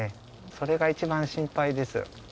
それが一番心配です。